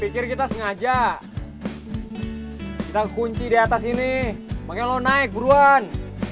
kita sengaja kita kunci di atas ini mengenal naik buruan